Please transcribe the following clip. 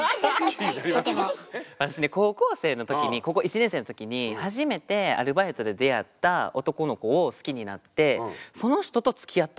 私ね高校生の時に高校１年生の時に初めてアルバイトで出会った男の子を好きになってその人とつきあったんですよ。